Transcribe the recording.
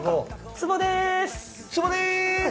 つぼです！